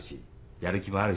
やる気もあるし。